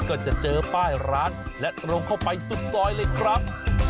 ก็จะเจอป้ายร้านและตรงเข้าไปสุดซอยเลยครับ